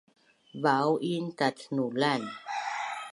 Vau in tatnulan